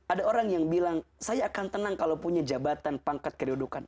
ada orang yang bilang saya akan tenang kalau punya jabatan pangkat kedudukan